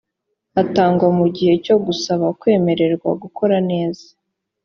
atangwa mu gihe cyo gusaba kwemererwa gukora neza